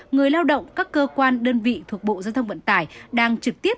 người lao động các cơ quan đơn vị thuộc bộ giao thông vận tải đang trực tiếp